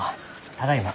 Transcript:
ただいま。